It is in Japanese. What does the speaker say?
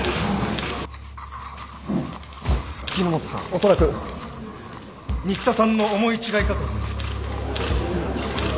おそらく新田さんの思い違いかと思います。